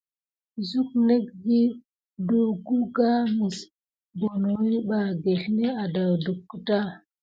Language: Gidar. Suk énetke vi tokuga mis bonoki ɓa gelné adùck keta.